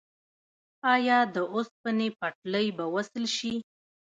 آیا د اوسپنې پټلۍ به وصل شي؟